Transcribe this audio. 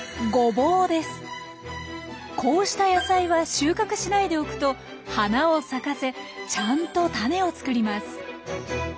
こうした野菜は収穫しないでおくと花を咲かせちゃんとタネを作ります。